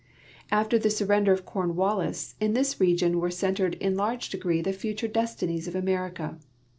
After the surrender of Cornwallis, in this region were centered in large degree the future destinies of America.